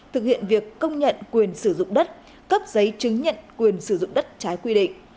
thực hiện việc công nhận quyền sử dụng đất cấp giấy chứng nhận quyền sử dụng đất trái quy định